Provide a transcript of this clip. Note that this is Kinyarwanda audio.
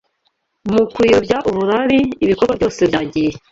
Mu kuyobya uburari, ibikorwa byose byagiye